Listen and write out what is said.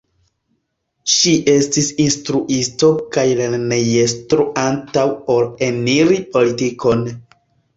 Ŝi estis instruisto kaj lernejestro antaŭ ol eniri politikon.